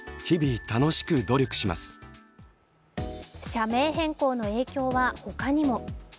社名変更の影響は他にも。